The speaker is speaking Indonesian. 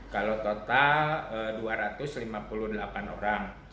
kalau total dua ratus lima puluh delapan orang